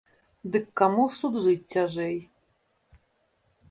Дык каму ж тут жыць цяжэй.